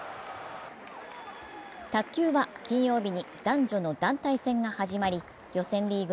卓球は金曜日に男女の団体戦が始まり予選リーグ